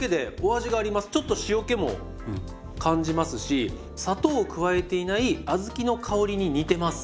ちょっと塩気も感じますし砂糖を加えていない小豆の香りに似てます。